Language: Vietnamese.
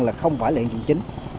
là không phải là hiện trường chính